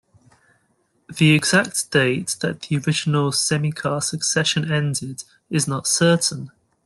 The exact date that the original "semikhah" succession ended is not certain.